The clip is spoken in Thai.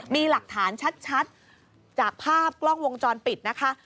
มีหลักฐานชัดจากภาพกล้องวงจรปิดนะคะ